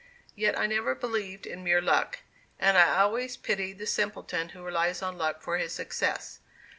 Yet, I never believed in mere luck and I always pitied the simpleton who relies on luck for his success.